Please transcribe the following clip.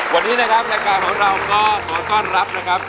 วันนี้นะครับรายการของเราก็สวัสดีครับ